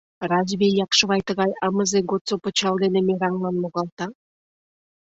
— Разве Якшывай тыгай амызе годсо пычал дене мераҥлан логалта?